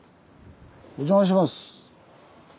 お邪魔します。